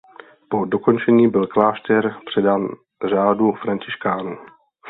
Po dokončení byl klášter předán řádu františkánů.